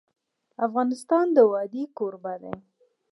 افغانستان د وادي کوربه دی.